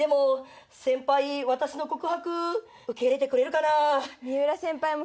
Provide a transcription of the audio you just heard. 先輩私の告白受け入れてくれるかな？